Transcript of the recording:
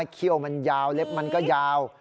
เขี้ยวมันยาวเล็บมันก็ยาว